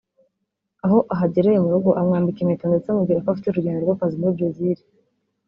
Aho ahagereye mu rugo amwambika impeta ndetse amubwira ko afite urugendo rw’akazi muri Bresil